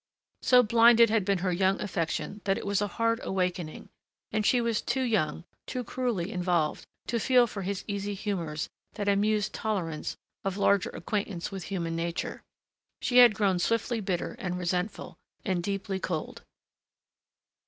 So blinded had been her young affection that it was a hard awakening, and she was too young, too cruelly involved, to feel for his easy humors that amused tolerance of larger acquaintance with human nature. She had grown swiftly bitter and resentful, and deeply cold.